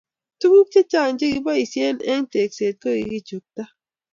Tuguk che chang che kikiboisie eng tekset ko kikichukta